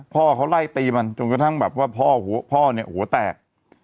พ่อเขาไล่ตีมันจนกระทั่งแบบว่าพ่อหัวพ่อเนี่ยหัวแตก